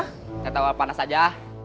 saya tahu panas aja